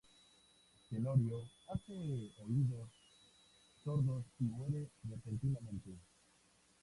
Tenorio hace oídos sordos y muere repentinamente.